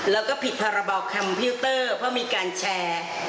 แล้วก็ผิดพรบคอมพิวเตอร์เพราะมีการแชร์